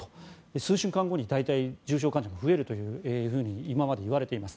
数週間後に大体、入院患者が増えるといわれています。